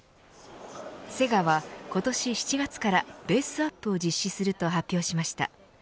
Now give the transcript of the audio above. セガは今年７月からベースアップを実施すると発表しました。